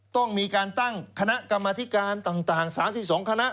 ต้องมีการตั้งคณะกรรมธิการต่าง๓๒คณะ